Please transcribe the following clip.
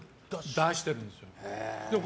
出してるんです。